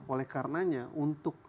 oleh karenanya untuk